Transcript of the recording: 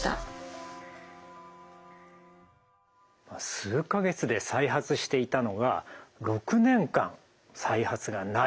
数か月で再発していたのが６年間再発がない。